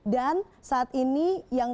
dan saat ini yang